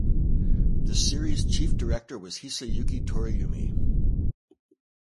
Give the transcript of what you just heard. The series chief director was Hisayuki Toriumi.